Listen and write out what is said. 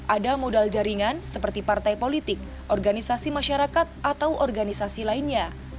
ada modal jaringan seperti partai politik organisasi masyarakat atau organisasi lainnya